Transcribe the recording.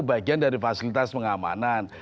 bagian dari fasilitas pengamanan